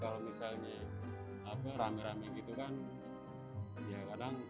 karena kan kalau musimnya rame rame gitu kan ya kadang